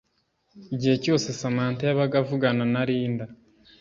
igihe cyose Samantha yabaga avugana na Linda